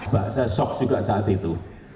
pak saya shock juga saat itu